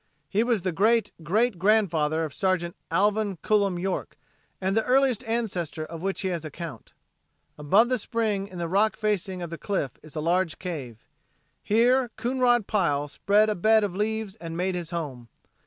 He was the great great grandfather of Sergeant Alvin Cullom York, and the earliest ancestor of which he has account. Above the spring in the rock facing of the cliff is a large cave. Here Coonrod Pile spread a bed of leaves and made his home.